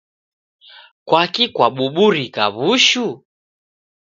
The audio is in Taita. Kwaki kwabuburika w'ushu?